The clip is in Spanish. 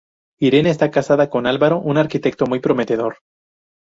Irene está casada con Álvaro, un arquitecto muy prometedor.